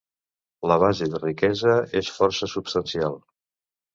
La base de riquesa és força substancial.